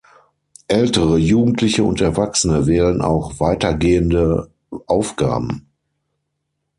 Ältere Jugendliche und Erwachsene wählen auch weitergehende Aufgaben.